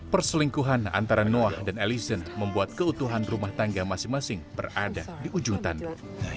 perselingkuhan antara noah dan allison membuat keutuhan rumah tangga masing masing berada di ujung tanda